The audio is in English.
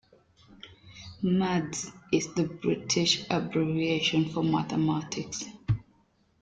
Maths is the British abbreviation for mathematics